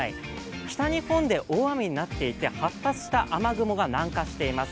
北日本で大雨になっていて、発達した雨雲が南下しています。